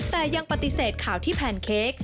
แต่ยังปฏิเสธข่าวที่แพนเค้ก